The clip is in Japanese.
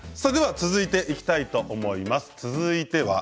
続いて、いきたいと思います。